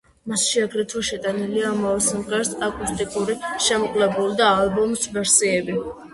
მასში აგრეთვე შეტანილია ამავე სიმღერის აკუსტიკური, შემოკლებული და ალბომის ვერსიები.